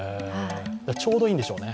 ちょうどいいんでしょうね。